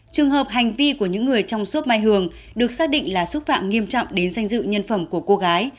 trường hợp hành vi của những người trong sốp mai hường được xác định là xúc phạm nghiêm trọng đến danh dự nhân phẩm của cô gái